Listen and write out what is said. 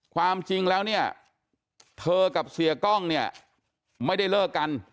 ความจริงแล้วเนี่ยเธอกับเสียกล้องเนี่ยไม่ได้เลิกกัน